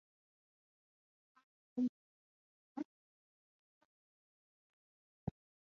The "Cast and Crew" won a Special Drama Desk Award.